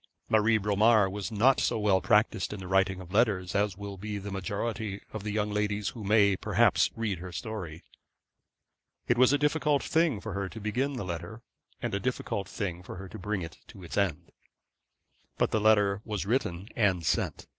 Marie Bromar was not so well practised in the writing of letters as will be the majority of the young ladies who may, perhaps, read her history. It was a difficult thing for her to begin the letter, and a difficult thing for her to bring it to its end. But the letter was written and sent.